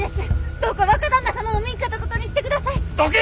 どうか若旦那様を見んかったことにしてください。どけ！